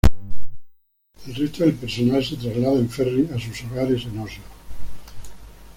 El resto del personal se traslada en ferry a sus hogares en Oslo.